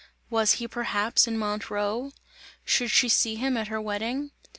Was he perhaps in Montreux? Should she see him at her wedding?